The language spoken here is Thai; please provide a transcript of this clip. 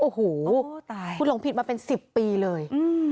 โอ้โหคุณหลงผิดมาเป็น๑๐ปีเลย